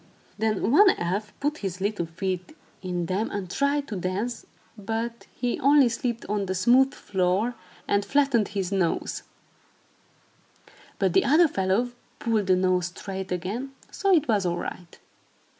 Then one elf put his little feet in them and tried to dance, but he only slipped on the smooth floor and flattened his nose; but the other fellow pulled the nose straight again, so it was all right.